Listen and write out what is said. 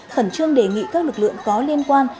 khẩn trương đề nghị các lực lượng có liên quan